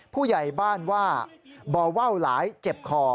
ผู้ใหญ่บ้านว่าบ่อว่าวหลายเจ็บคอ